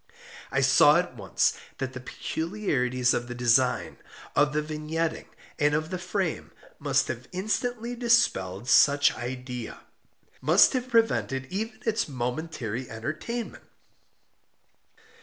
I saw at once that the peculiarities of the design, of the vignetting, and of the frame, must have instantly dispelled such idea—must have prevented even its momentary entertainment.